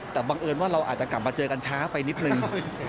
แต่บังเอิญว่าเราอาจจะกลับมาเจอกันช้าไปนิดนึง